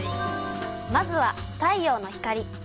まずは太陽の光。